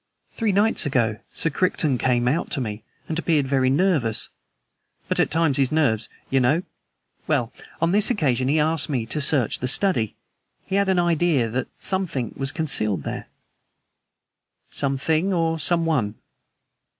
Three nights ago Sir Crichton came out to me, and appeared very nervous; but at times his nerves you know? Well, on this occasion he asked me to search the study. He had an idea that something was concealed there." "Some THING or someone?"